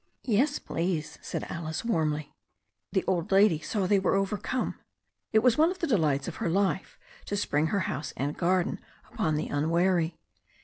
"Yes, please," said Alice warmly. The old lady saw they were overcome. It was one of the delights of her life to spring her house and garden upon the unwary.